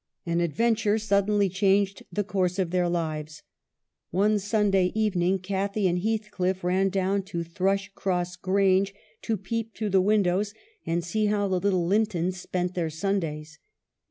An adventure suddenly changed the course of 'WUTHERING HEIGHTS: 241 their lives. One Sunday evening Cathy and Heathcliff ran down to Thrushcross Grange to peep through the windows and see how the little Lintons spent their Sundays.